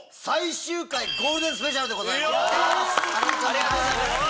ありがとうございます！